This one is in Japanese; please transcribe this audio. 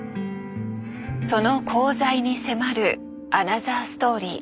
その功罪に迫るアナザーストーリー。